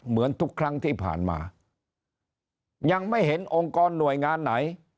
เหมือนทุกครั้งที่ผ่านมายังไม่เห็นองค์กรหน่วยงานไหน